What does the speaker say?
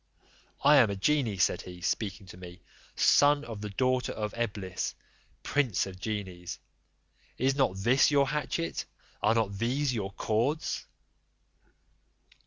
"I am a genie," said he, speaking to me, "son of the daughter of Eblis, prince of genies: is not this your hatchet, and are not these your cords?"